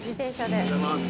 おはようございます。